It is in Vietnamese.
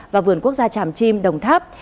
và vườn quốc gia tràm chim đồng tháp